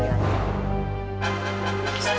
oh gitu thinesin kekuasaan lu